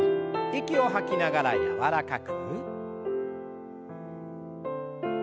息を吐きながら柔らかく。